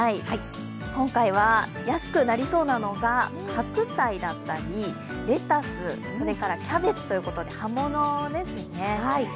今回は安くなりそうなのが白菜だったりレタス、キャベツということで葉物ですね。